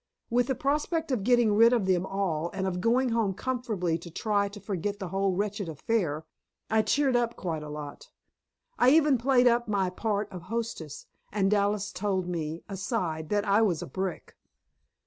With the prospect of getting rid of them all, and, of going home comfortably to try to forget the whole wretched affair, I cheered up quite a lot. I even played up my part of hostess, and Dallas told me, aside, that I was a brick.